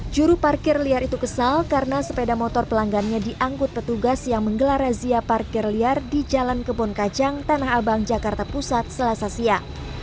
juru parkir liar itu kesal karena sepeda motor pelanggannya diangkut petugas yang menggelar razia parkir liar di jalan kebon kacang tanah abang jakarta pusat selasa siang